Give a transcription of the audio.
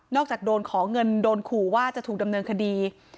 จากโดนขอเงินโดนขู่ว่าจะถูกดำเนินคดี